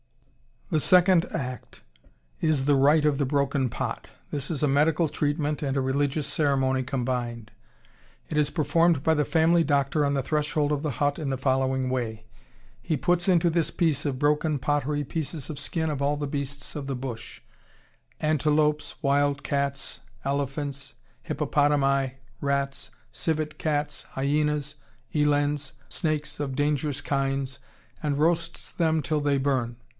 The second act is the rite of the broken pot.... This is a medical treatment and a religious ceremony combined. It is performed by the family doctor on the threshold of the hut in the following way: He puts into this piece of broken pottery pieces of skin of all the beasts of the bush: antelopes, wild cats, elephants, hippopotami, rats, civet cats, hyenas, elands, snakes of dangerous kinds; and roasts them till they burn.